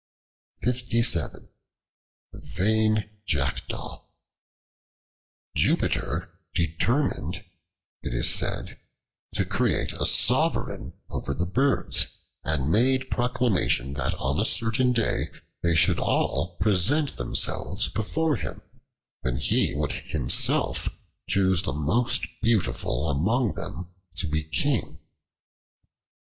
The Vain Jackdaw JUPITER DETERMINED, it is said, to create a sovereign over the birds, and made proclamation that on a certain day they should all present themselves before him, when he would himself choose the most beautiful among them to be king.